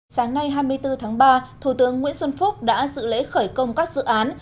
sáng nay hai mươi bốn tháng ba thủ tướng nguyễn xuân phúc đã dự lễ khởi công các dự án